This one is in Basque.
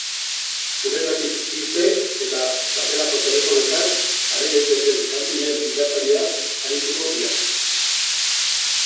Uretatik irten eta sakelako telefonoetan jarri daiteken kanpinen bilatzaileaz arituko dira.